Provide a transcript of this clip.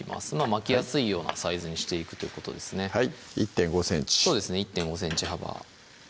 巻きやすいようなサイズにしていくということですねはい１．５ｃｍそうですね１．５ｃｍ幅